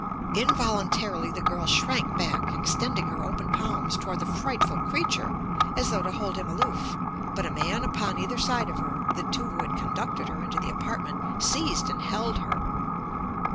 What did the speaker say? Involuntarily the girl shrank back, extending her open palms toward the frightful creature as though to hold him aloof but a man upon either side of her, the two who had conducted her into the apartment, seized and held her.